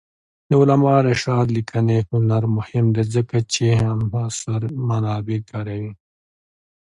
د علامه رشاد لیکنی هنر مهم دی ځکه چې همعصر منابع کاروي.